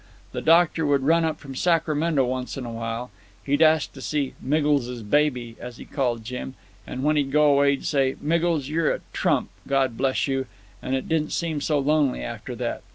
The Doctor would run up from Sacramento once in a while. He'd ask to see 'Miggles's baby,' as he called Jim, and when he'd go away, he'd say, 'Miggles; you're a trump God bless you'; and it didn't seem so lonely after that.